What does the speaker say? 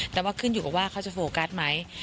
แต่ว่าขึ้นอยู่กับว่าเขาจะโฟกัสไหม